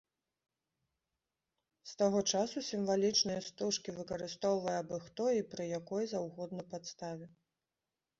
З таго часу сімвалічныя стужкі выкарыстоўвае абы-хто і пры якой заўгодна падставе.